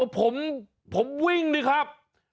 ผมผมวิ่งดิครับ